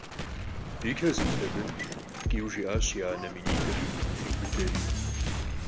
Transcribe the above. И чэзут абы?! – ткӀийуэ жиӀащ анэм, и нитӀыр и пхъум триубыдэри.